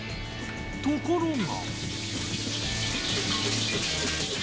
ところが